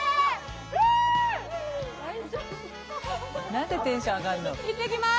何でテンション上がんの。